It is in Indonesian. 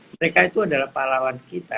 mereka itu adalah pahlawan kita